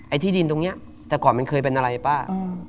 ที่ดินตรงนี้แต่ก่อนมันเคยเป็นอะไรป้า